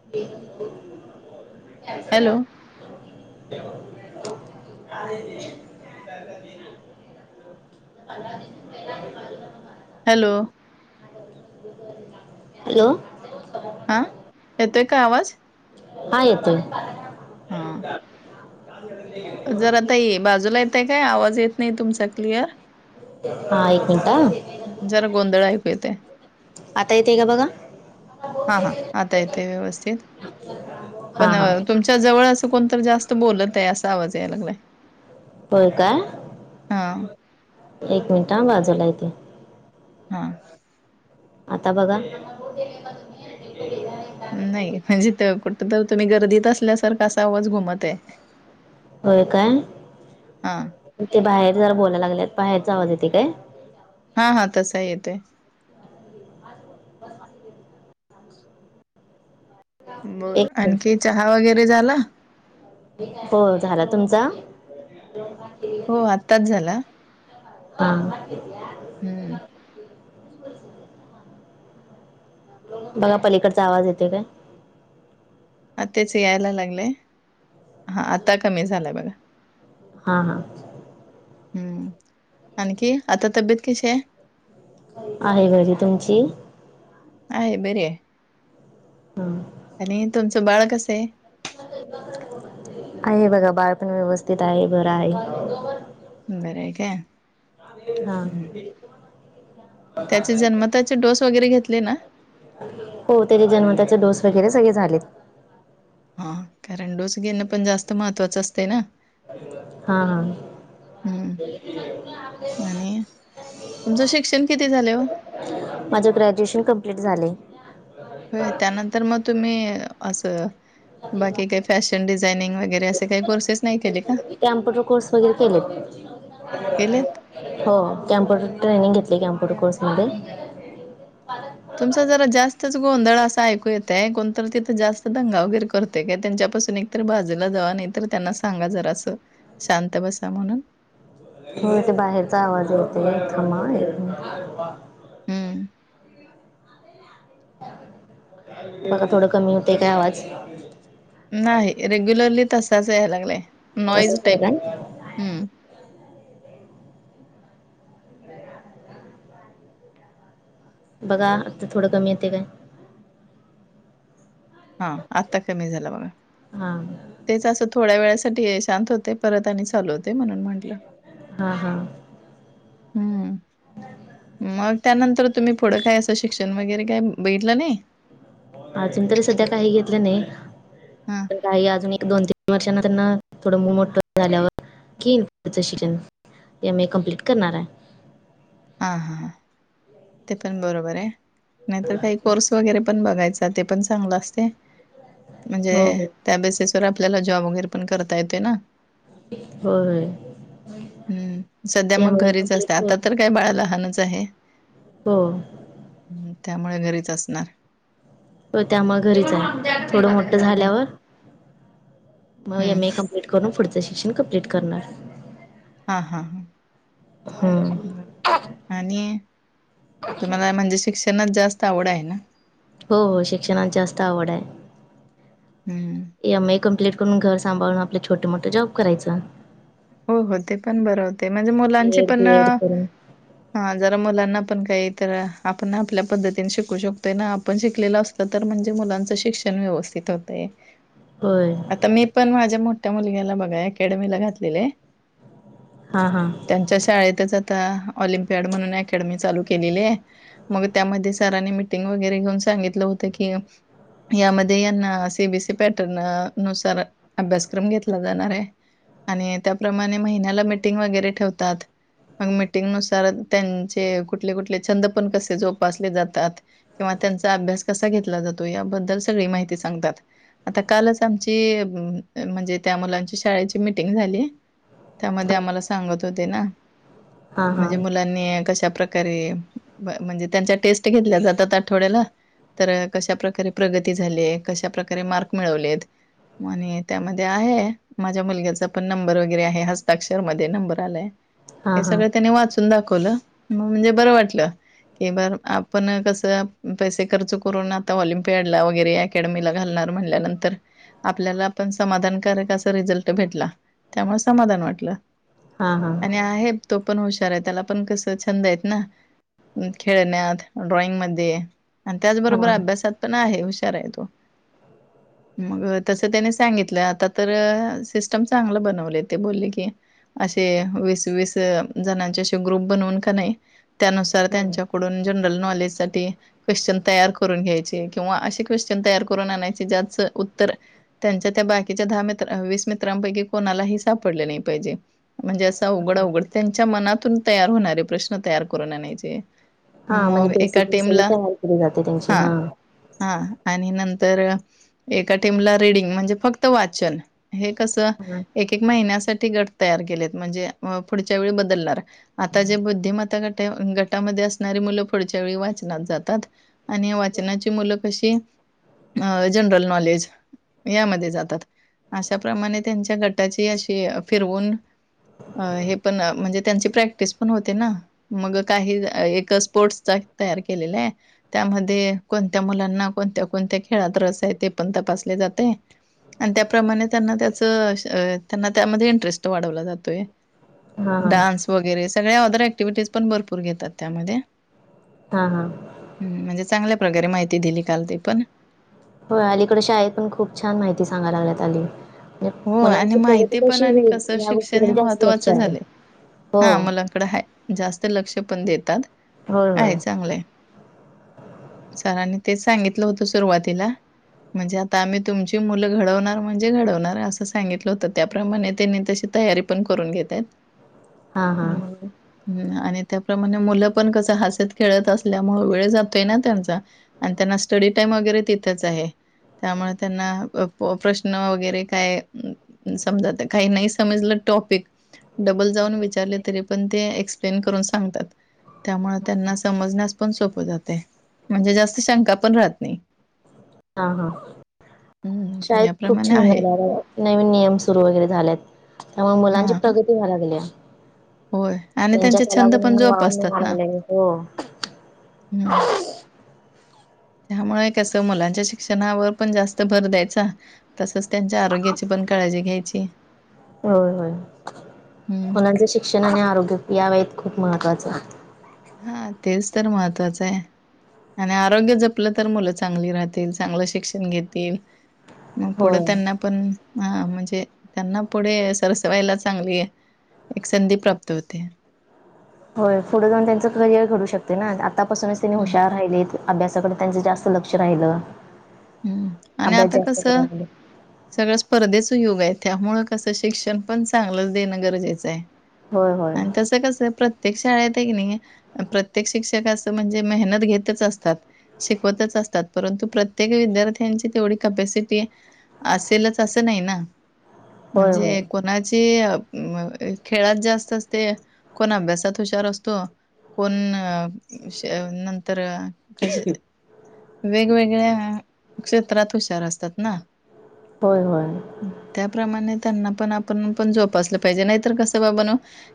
[inaudible] Hello अ [unintelligible] म [unintelligible] hello hello हा येतोय का आवाज? हा येतोय. हा [inaudible] जरा ताई बाजूला येताय काय आवाज येत नाही तुमचा क्लिअर हा एक मिनिटं हां जरा गोंधळ ऐकू येतोय. आता येतय का बघा? हां हां आता येते व्यवस्थित हा पण हा तुमच्या जवळ असं कोणतर जास्त बोलत आहे असा आवाज यायला लागलाय. होय काय हा एक मिनट बाजूला येते. हां आता बघा. [inaudible] [inaudible] नाही म्हणजे कुठ तर तुम्ही गर्दीत असल्यासारखा अस आवाज घुमत आहे. होय काय हा ते बाहेर जरा बोलायला लागलेत बाहेरच आवाज येते काय? हा हा तसा येत आहे. एक बरं आणखी मिनिट चहा वगैरे झाला? हो झाला. तुमचा? हो आत्ताच झाला. हा हम्म बघा पलीकडचा आवाज येतोय काय? हा तेच यायला लागलेय हा आता कमी झालाय बघा. हा हां हम्म आणखी आता तब्येत कशी आहे? आहे घरी तुमची आहे बरी आहे हा आणि तुमचं बाळ कसं आहे आहे बघा बाळ पण व्यवस्थित आहे बर आहे बरं आहे का हा हम् त्याचा जन्मताच डोस वगैरे घेतले ना हो त्याचे जन्मताचे डोस वगैरे सगळे झालेत हा कारण डोस घेणं पण जास्त महत्वाचं असते ना हा हा [inaudible] हम्म आणि तुमचं शिक्षण किती झालंय ओ? [unintelligible] माझ ग्रॅज्युएशन कंप्लीट झाले हो त्यानंतर मग तुम्ही असं बाकी काही फॅशन डिझायनिंग असे काही कोर्सेस नाही केले का? कॅम्प्युटर कोर्स वगैरे केले केलेत? हो कॅम्प्युटर ट्रेनिंग घेतली कॅम्प्युटर कोर्समध्येध्ये तुमचा जरा जास्तच गोंधळ असा ऐकू येतय कोणतरी तिथं जास्त दंगावगैर करते का त्यांच्यापासून एक जरा बाजूला जावा नाही तर त्यांना सांगा जरा अस शांत बसा म्हणून हो ते बाहेरचा आवाज येतथमा हम्म बघ थोडं कमी होतय काय आवाज नाही रेग्युलरली तसाच यायला लागलाय नॉईज तसंच आहे टाप काय ह् बघा आता थोडं कमी येते काय हा आत्ता कमी झाला बघा हा तेच असं थोड्या वेळासाठी शांत होतय परत आणि चालवते म्हणून म्हंटलं हा हा हम्म ह त्यानंतर तुम्ही पुढं काय असं शिक्षण वगैरे काय बगिटलं नाही अजून तरी सध्या काही घेतलं नाही हा तर काही अजून एक दोन तीन वर्षां त्यांना थोडं मुल मोठ झाल्यावर कीच शिक्षणम ए कमप्लीट करणार आहे हा हा ते पण बरोबर आहे नाहीतर काही कोर्स वगैरे पण बघायचा ते पण चांगलं असते म्हणजे हो हो त्या बेसिस वर आपल्याला जॉब वगैरे पण करता येते ना होय हम्म सध्या मग त्यामुळे घरीच कम्प्लीट असताय आता करून तर काय बाळा लहानच आहे हो हम्म त्यामुळे घरीच असणार होय त्यामुळे घरीच आहे थोडं मोठं हम्म झाल्यावर मग हम्म एम ए कमप्लीट करून पुढचं शिक्षण कंप्लीट करणार हा हा हा हा आणि तुम्हाला म्हणजे शिक्षणच जास्त आवड आहे ना हो हो शिक्षणाची जास्त आवड आहे हम्म. एम ए कम्प्लीट करून घर सांभाळून आपले छोटे मोठे जॉब करायचं हो हो ते पण बरं होते म्हणजे मुलांची बी एड पण बी एड करून हा जरा मुलांना पण काही तर आपण आपल्या पद्धतीने शिकू शकतोय ना आपण शिकलेला असतो तर म्हणजे मुलांच शिक्षण व्यवस्थित होतय होय आता मी पण माझ्या मोठ्या मुलग्याला बघा अकॅडमीला घातलेले आहे हा हा त्यांच्या शाळेतच आता ऑलिमपियड म्हणून अकॅडमी चालू केलेली आहे मग त्यामध्ये सरांनी मीटिंग वगैरे घेऊन सांगितलं होतं की यामध्ये यांना सी बीसी पॅटर्न नुसार अभ्यासक्रम घेतला जाणार आहे आणि त्याप्रमाणे महिन्याला मिीटिंग वगैरे ठेवतात मग मिीटिंगनुसार त्यांचे कुठले कुठले छंद पण कसे जोपासले जातात किंवा त्यांचा अभ्यास कसा घेतला जातो याबद्दल सगळी माहिती सांगतात आता कालच आमची म्हणजे त्या मुलांची शाळेची मिीटिंग झाली त्यामध्ये आम्हाला सांगत होते ना हां हां म्हणजे मुलांनी कशा प्रकार े म्हणजे त्यांच्या टेस्ट घेतल्या जातात आठवड्याला तर कशा प्र्रकारे प्रगती झाली कशाप्रकारे मार्क मिळवलेत आणि त्यामध्ये आहे माझ्या मुलग्याचा पण नंबर वगैर हां हां गनी दाखवलं म्हणजे बरं वाटलं क बर आपण कसं पैसे खर्च करून आता ऑलिम्पियाड ला वगैरे अकॅडमीला घालणार म्हणल्यानंतर आपल्याला आपण समाधानकारक असा रिझल्ट भेटला त्यामुळे समाधान वाटलं हां आणि हां आहे तो पण हुशार आहे त्याला पण कस छंद आहे ना खेळण्यात ड्रॉइंग म आणि त्याचबरोबर हां अभ्यासात पण आहे हुशार आहे तो मग तस त्यानी सांगितलं आता तर सिस्टम चांगलं बनव ब की असे वीस वस जणचे ग्रुप बनवून का नाही त्यानुसार हो. त्यांच्याकडून जनरल नॉलेज साठी क्वेश्चन तयार करून घ्यायचे किंवा असे क्वेश्चन तयार करून आणायचे ज्याचं उत्तर त्यांच्या त्या बाकीच्या दहा मित्र वीस मित्रांपैकी कोणालाही सापडले नाही पाहिजे म्हणजे असा उघडा उघड त्यांच्या मनातून तयार होणारे प्रश्न तयार करून आणायचे हा म्हणजे मग एका बेसिकली सळी तयार केली जाते त्यांची हा हा आणि नंतर एका टीमला रीडिंग म्हणजे फक्त वाचन हे कसं हां एक एक महिन्यासाठी गट तयार केलेत म्हणजे पुढच्या वेळी बदलणार आता जे बुद्धिमत्ता गट गटामध्ये असणारी मुलं पुढच्या वेळी वाचनात जातात आणि वाचनाची मुलं कशी जनरल नॉलेज यामध्ये जातात अशा प्र्रमाणे त्यांच्या घ त्याची अशी फिरवून अ हे पण म्हणजे त्यांची प्रॅक्टिस पण होते ना मग काही एक स्पोर्ट्सचा तयार केलेला आहे त्यामध्ये कोणत्या मुलांना कोणत्या कोणत्या खेळात रस आहे ते पण तपासले जाते आणि त्याप्रमाणे त्यांना त्याचं त्यां हां हां इरे ज वगैरे सगळ्या अदर क्टिव्हिटीज पण भरपूर घेतात त्यामध्ये हा हा हम् म्हणजे चांगल्या प्रकारे माहिती दिली काल ते पण हो अलीकडे शाळेत पण खूप छान माहिती सांगयला लागल्यात अली म्हणजे हो आणि मुलांची प्रगती माहिती पण कशी आणि होईल कसं ह्या शिक्षण हे गोष्टीकडे जास्त लक्ष महत्त्वाचं आहे झालंय. हो हां, मुलांकडे जास्त लक्ष पण देतात होय होय आहे चांगलंय सला आणि तेच सांगितलं होतं सुरुवातीला म्हणजे आता आम्ही तुमची मुलं घडवणार म्हणजे घडवणार अस सांगितलं होत त्याप्रमाणे त्यांनी तशी तयारी पण करून घेतात हा हा म ह् आणि त्याप्रमाणे मुलं पण कस हसत खेळत असल्यामुळे वेळ जातोय ना त्यांचा आणि त्यांना स्टडी टाइम वगैरे तिथेच आहे त्यामुळे त्यांना प्रश्न वगैरे काय समजाता काही नाही समजलं टॉपिक. डबल जाऊन विचारले तरी पण ते एक्सप्लेन करून सांगतात. त्यामु त्यांना समजण्यास पण सोप जाते. म्हणजे जास्त शंका पण राहत नाही. हा ह हम्म शाळेत खूप याप्रमाणे छान आहे. झाल्या नवीन नियम सुरू वगैरे झालेत. त्यामुळे मुलांची हा प्रगती व्हायला लागली. होय आणि त्यांच्या त्यांचे घरावरून वाळु निघाय लागलय ओ नाय. त्यामुळे हे कसं मुलांच्या शिक्षणावर पण जास्त भर द्यायचा. तसंच त्यांच्या आरोग्याची पण काळजी घ्यायची. होय होय हं. मुलांचं शिक्षण आणि आरोग्य या वळेत खूप महत्त्वाचं आहे. हा तेच तर महत्वाचं आहे. आणि आरोग्य जपलं तर मुलं चांगली राहतील चांगलं शिक्षण घेतील. मग पुढ होय. त्यांना पण ह म्हणजे त्यांना पुढे सरसवायला चांगली. एक संधी प्राप्त होते. होय पुढे जाऊन त्यांचं करियर घडू शकते ना आतापासूनच त्यांनी हं. हुशार राहिलेत. अभ्यासाकड त्यांचं जास्त लक्ष राहिलं. हम्म आणि अभ्यास आता जास्त कस. करायला लागले सगळ स्पर्धेच युग आहे त्यामुळ कसं शिक्षण पण चांगलंच देणं गरजेचं आहे. होय होय आणि तस कसं प्र प्रत्येक शाळेत आहे की नई प्रत्येक शिक्षक असं म्हणजे मेहनत घेतच असतात. शिकवतच असतात परंतु प्रत्येक. प्रत्येक विद्यार्थ्यांची तेवढी कपॅसिटी असेलच असं नाही ना. होय म्हणजे होय कोणाची. मग खेळात जास्त असते कोण अभ्यासात हुशार असतो. कोण नंतर वेगवेगळ्या. क्षेत्रात हुशार असतात ना. होय होय. त्याप्रमाणे त्यांना पण आपण पण जोपासलं पाहिजे नाहीतर कसं बाबा नु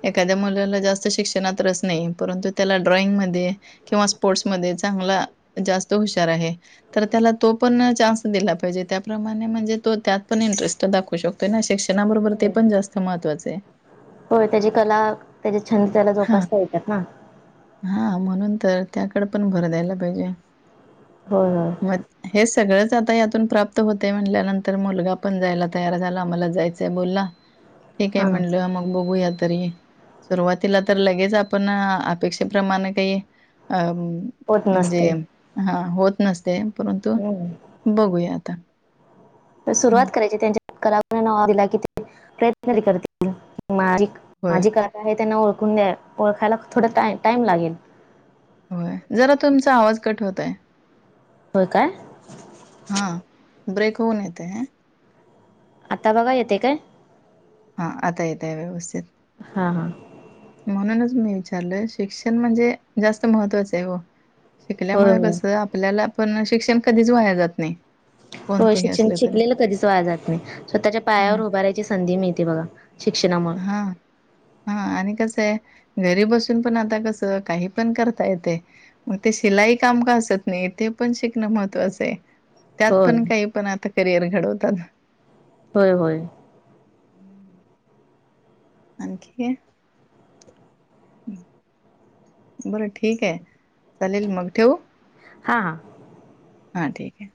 एखाद्या मुलाला जास्त शिक्षणात रस नाही परंतु त्याला ड्रॉइंग मध्ये. किंवा स्पोर्ट्स मध्ये चांगला जास्त हुशार आहे. तर त्याला तो पण चान्स दिला पाहिजे त्याप्रमाणे म्हणजे तो त्यात पण इंटरेस्ट दाखऊ शकतो. ते नाही शिक्षणाबरोबर ते होय पण जास्त महत्वाचं आहे.. होय त्याजी कला त्याजे छंद त्याला जोपासता येतात ना. हा म्हणून तर त्याकडं पण भर द्यायला पाहिजे. होय होय. मग हे सगळंच आता यातून प्राप्त होतय म्हटल्यानंतर मुलगा पण जायला तयार झाला आम्हाला जायचं. बोलला ठीक आहे हा. म्हणलं मग बघूया तरी. सुरुवातीला तर लगेच आपण अपेक्षेप्रमाणे काही अ होत नसते म्हणजे हा होत नसतय परंतु हम्म बघूया आता. सुरुवात हं. करायची त्यांच्या कला ना दिला कि ते प्रयत्न करतील तरी मझी. होय माझी कथा आहे त्यांना ओळखून द्या ओळखायला थोडं काय टाइम लागेल. होय जरा तुमचा आवाज कठ होतय. होय काय. हां ब्रेक होऊन येते. आता बघा येते काय. हां आता येत व्यवस्थित. हा हा. म्हणूनच मी विचारलं शिक्षण म्हणजे जास्त महत्त्वाचं आहे ओ होय शिकल्यामुळ होय कसं आपल्याला पण शिक्षण कधीच वाया जात नाही. हो कोणतंही शिक्षण असलं तरी. शिकलेलं कधीच वाजत नाही स्वतःच्या पायावर हम्म उभारायची सवय, संधी मिळते बघा शिक्षणामुळे, हा हा आणि कसं आहे घरी बसून पण आता कस काही पण करता येतय. मग ते शिलाई काम का असत नाही ते पण शिकणं महत्त्वाचं आहे. त्यात होय पण काही पण आता करिअर घडवतात. होय होय आण आणखी बरं ठीक आहे चालेल मग ठेवू, हा हा हां ठीक आहे